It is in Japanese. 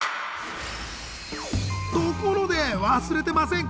ところで忘れてませんか？